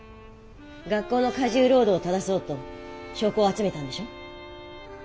学校の過重労働を正そうと証拠を集めたんでしょ。